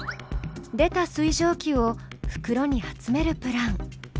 出た水蒸気をふくろに集めるプラン。